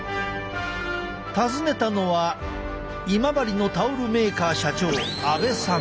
訪ねたのは今治のタオルメーカー社長阿部さん。